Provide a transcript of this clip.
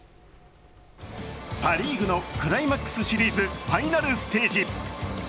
パ・リーグのクライマックスシリーズファイナルステージ。